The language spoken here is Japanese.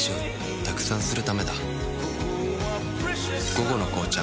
「午後の紅茶」